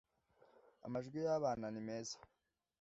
amajwi y'abana nimeza